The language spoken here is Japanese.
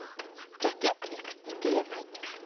じゃテープでくっつければいいか。